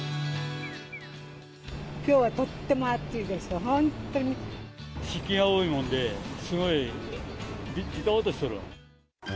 きょうはとっても暑いですよ、湿気が多いもんで、すごいじとっとしとる。